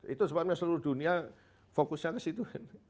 itu sebabnya seluruh dunia fokusnya ke situ